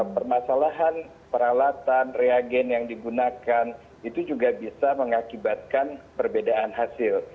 permasalahan peralatan reagen yang digunakan itu juga bisa mengakibatkan perbedaan hasil